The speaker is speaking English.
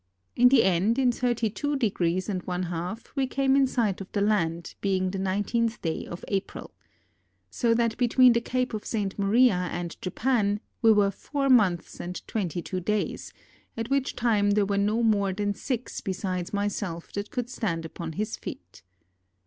In the end, in thirty two degrees and one half we came in sight of the land, being the nineteenth day of April. So that between the Cape of St. Maria and Japan we were four months and twenty two days; at which time there were no more than six besides myself that could stand upon his feet.